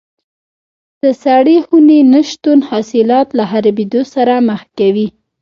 د سړې خونې نه شتون حاصلات له خرابېدو سره مخ کوي.